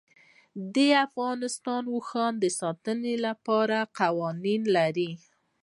افغانستان د اوښ د ساتنې لپاره قوانین لري.